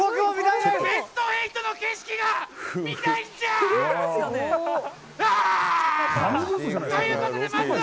ベスト８の景色が見たいんじゃ！